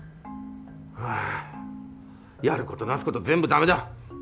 はぁやることなすこと全部ダメだ！